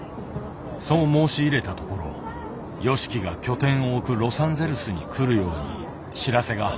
そう申し入れたところＹＯＳＨＩＫＩが拠点を置くロサンゼルスに来るように知らせが入った。